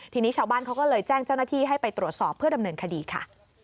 ทีนี้ชาวบ้านเขาก็เลยแจ้งเจ้าหน้าที่ให้ไปตรวจสอบเพื่อดำเนินคดีค่ะ